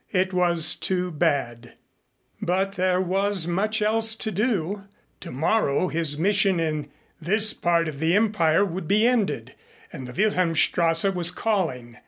It was too bad. But there was much else to do. Tomorrow his mission in this part of the Empire would be ended and the Wilhelmstrasse was calling.